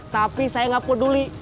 tapi saya gak peduli